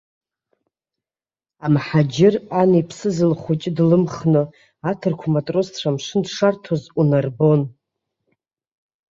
Амҳаџьыр ан иԥсыз лхәыҷы длымхны аҭырқә матросцәа амшын дшарҭоз унарбон.